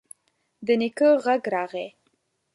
د نيکه غږ راغی: